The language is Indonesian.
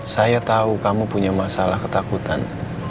saya tahu kamu punya masalah ketakutan